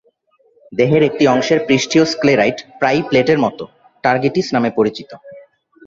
দেহের একটি অংশের পৃষ্ঠীয় স্ক্লেরাইট, প্রায়ই প্লেটের মত, "টারগিটিস" নামে পরিচিত।